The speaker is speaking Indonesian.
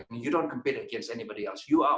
dan anda tidak bertempur dengan orang lain